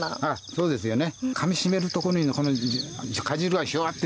そうですよね。